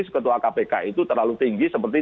ketua kpk terkait larangan bagi